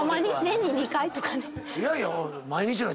年に２回とかね。